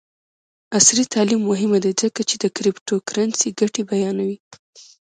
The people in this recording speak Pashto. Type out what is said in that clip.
عصري تعلیم مهم دی ځکه چې د کریپټو کرنسي ګټې بیانوي.